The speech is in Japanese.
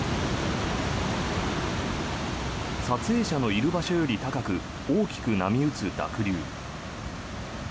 撮影者のいる場所より高く大きく波打つ濁流。